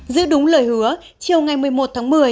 giữ đúng lời hứa chiều ngày một mươi một tháng một mươi